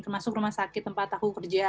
termasuk rumah sakit tempat aku kerja